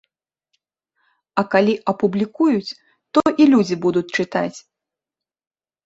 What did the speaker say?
А калі апублікуюць, то і людзі будуць чытаць.